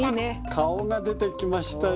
顔が出てきましたよ。